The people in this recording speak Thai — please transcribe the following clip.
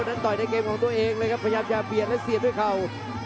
ต่อยในเกมของตัวเองเลยครับพยายามจะเบียดและเสียบด้วยเข่า